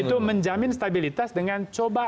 itu menjamin stabilitas dengan coba